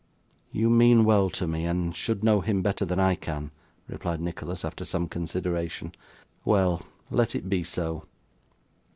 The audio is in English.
'You mean well to me, and should know him better than I can,' replied Nicholas, after some consideration. 'Well; let it be so.